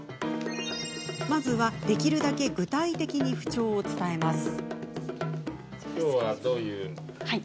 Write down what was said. まずは、できるだけ具体的に不調を伝えます。